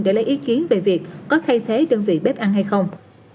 để lấy ý kiến về việc có thay thế đơn vị bếp ăn hay không